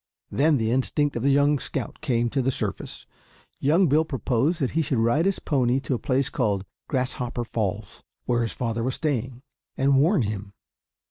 Then the instinct of the young scout came to the surface. Young Bill proposed that he should ride his pony to a place called Grasshopper Falls, where his father was staying, and warn him.